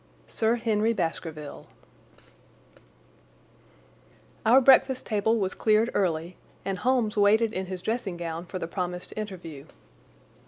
Sir Henry Baskerville Our breakfast table was cleared early, and Holmes waited in his dressing gown for the promised interview.